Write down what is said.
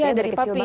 iya dari papi